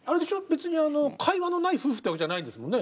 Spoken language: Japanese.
別に会話のない夫婦ってわけじゃないですもんね。